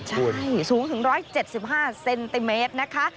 ใช่สูงถึง๑๗๕เซนติเมตรนะคะ